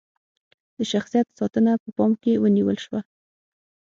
د شخصیت ساتنه په پام کې ونیول شوه.